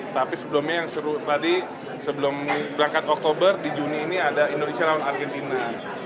tapi sebelumnya yang seru tadi sebelum berangkat oktober di juni ini ada indonesia lawan argentina